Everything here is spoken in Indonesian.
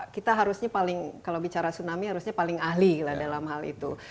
kita harusnya paling kalau bicara tsunami harusnya paling ahli lah dalam hal itu